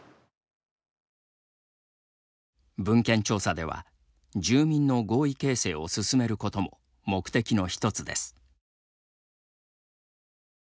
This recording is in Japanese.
文献調査では、住民の合意形成を進めることも目的の１つです。